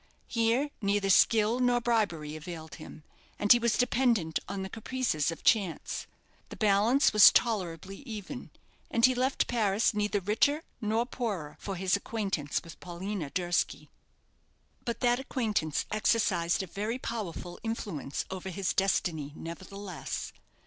Here neither skill nor bribery availed him, and he was dependent on the caprices of chance. The balance was tolerably even, and he left Paris neither richer nor poorer for his acquaintance with Paulina Durski. But that acquaintance exercised a very powerful influence over his destiny, nevertheless.